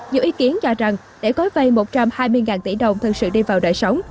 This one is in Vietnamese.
nhiều ý kiến cho rằng để gói vay một trăm hai mươi tỷ đồng thực sự đi vào đời sống